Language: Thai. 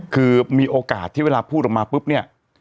คือมีโอกาสที่เวลาพูดออกมาปุ๊บเนี่ย